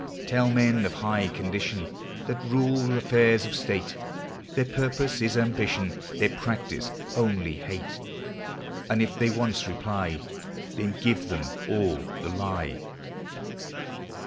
Tell men of high condition, That rule affairs of state, Their purpose is ambition, Their practice only hate ; And if they once reply, Then give them all the lye.